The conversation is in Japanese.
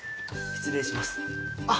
失礼します。